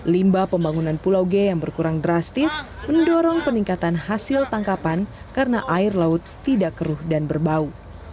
limba pembangunan pulau g yang berkurang drastis mendorong peningkatan hasil tangkapan karena air laut tidak keruh dan berbau